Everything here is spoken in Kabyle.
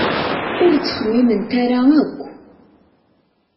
Ur ttxemmiment ara akk!